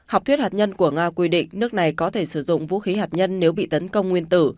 học thuyết hạt nhân của nga quy định nước này có thể sử dụng vũ khí hạt nhân nếu bị tấn công nguyên tử